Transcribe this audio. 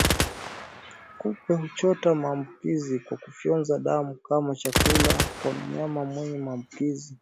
Kupe huchota maambuki kwa kufyonza damu kama chakula kwa mnyama mwenye maambukizi